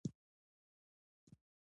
د خپل ملک په اړه پوښتنه وکړه.